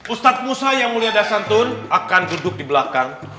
ustadz musa yang mulia dasantun akan duduk di belakang